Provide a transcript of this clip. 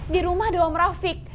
di rumah ada om rafiq